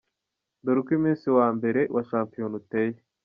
Dore uko umunsi wa mbere wa shampiyona uteye:.